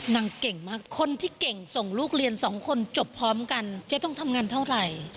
เก่งมากคนที่เก่งส่งลูกเรียนสองคนจบพร้อมกันเจ๊ต้องทำงานเท่าไหร่